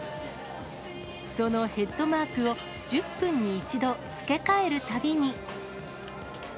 そのヘッドマークを１０分に１度付け替えるたびに。